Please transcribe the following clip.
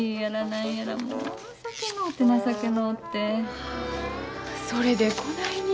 はあそれでこないに。